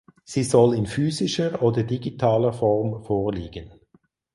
Sie soll in physischer oder digitaler Form vorliegen.